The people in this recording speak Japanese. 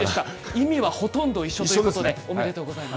意味はほとんど一緒ということで、おめでとうございます。